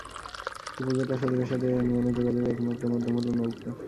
উপজেলা সদরের সাথে এ ইউনিয়নের যোগাযোগের একমাত্র মাধ্যম হল নৌকা।